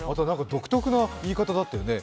独特な言い方だったよね。